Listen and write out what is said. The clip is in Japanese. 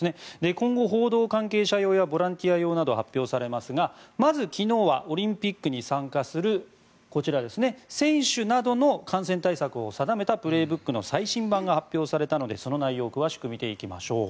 今後、報道関係者用やボランティア用など発表されますが、まず昨日はオリンピックに参加するこちら、選手などの感染対策を定めた「プレーブック」の最新版が発表されたのでその内容を詳しく見ていきましょう。